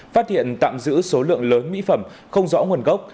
phát hiện tạm giữ số lượng lớn mỹ phẩm không rõ nguồn gốc